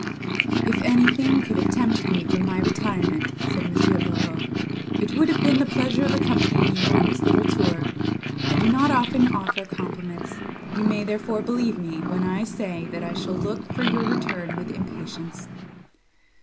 "If anything could have tempted me from my retirement," said M. Barreaux, "it would have been the pleasure of accompanying you on this little tour. I do not often offer compliments; you may, therefore, believe me, when I say, that I shall look for your return with impatience."